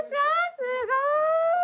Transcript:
すごーい！